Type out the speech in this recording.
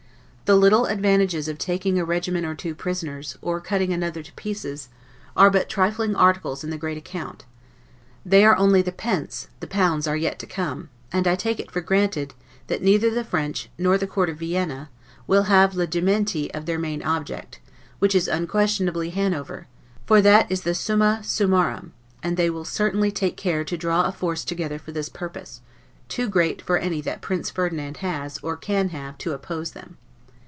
The little advantages of taking a regiment or two prisoners, or cutting another to pieces, are but trifling articles in the great account; they are only the pence, the pounds are yet to come; and I take it for granted, that neither the French, nor the Court of Vienna, will have 'le dementi' of their main object, which is unquestionably Hanover; for that is the 'summa summarum'; and they will certainly take care to draw a force together for this purpose, too great for any that Prince Ferdinand has, or can have, to oppose them.